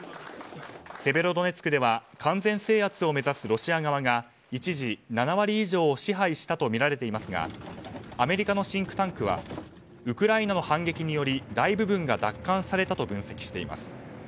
セベロドネツクでは完全制圧を目指すロシア側が一時、７割以上を支配したとみられていますがアメリカのシンクタンクはウクライナの反撃により大部分が奪還されたと分析しています。